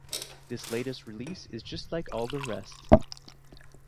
This latest release is just like all the rest.